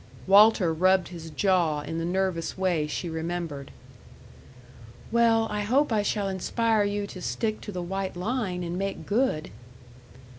Walter rubbed his jaw in the nervous way she remembered. "Well, I hope I shall inspire you to stick to the White Line and make good."